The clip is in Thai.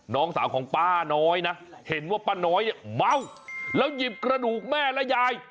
น้องสาวของป้าน้อยนะเห็นว่าป้าน้อยเนี่ยเมาแล้วหยิบกระดูกแม่และยาย